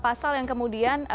pasal yang kemudian